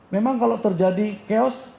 memang kalau terjadi chaos